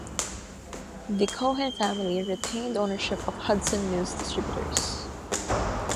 The Cohen family retained ownership of Hudson News Distributors.